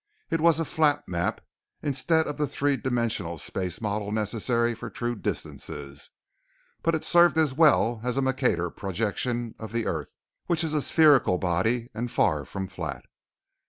It was a flat map instead of the three dimensional space model necessary for true distances, but it served as well as a Mercator Projection of the earth, which is a spherical body and far from flat.